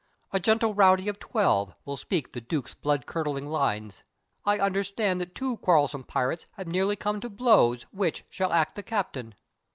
A gentle rowdy of twelve will speak the Duke's blood curdling lines. I understand that two quarrelsome pirates have nearly come to blows which shall act the captain.